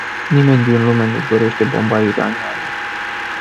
Nimeni din lume nu dorește bomba iraniană.